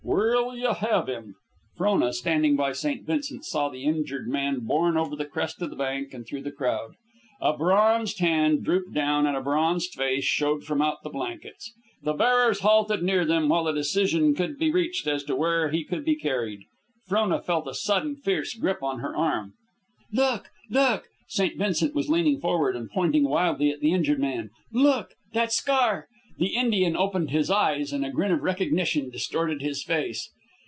Where'll you have him?" Frona, standing by St. Vincent, saw the injured man borne over the crest of the bank and through the crowd. A bronzed hand drooped down and a bronzed face showed from out the blankets. The bearers halted near them while a decision could be reached as to where he should be carried. Frona felt a sudden fierce grip on her arm. "Look! look!" St. Vincent was leaning forward and pointing wildly at the injured man. "Look! That scar!" The Indian opened his eyes and a grin of recognition distorted his face.